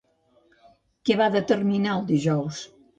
Què va determinar el dijous?